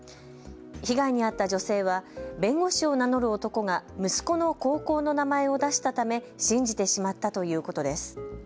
被害に遭った女性は弁護士を名乗る男が息子の高校の名前を出したため信じてしまったということです。